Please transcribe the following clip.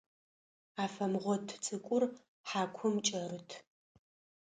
Афэмгъот цӏыкӏур хьакум кӏэрыт.